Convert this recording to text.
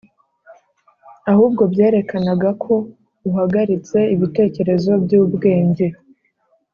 ahubwo byerekanaga ko uhagaritse ibitekerezo byubwenge.